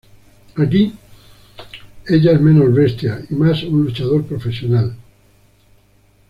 Aquí, ella es menos bestia y más un luchador profesional.